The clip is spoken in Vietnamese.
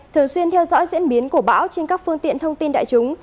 thường xuyên theo dõi diễn biến của bão trên các phương tiện thông tin đại chúng